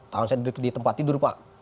tahun saya duduk di tempat tidur pak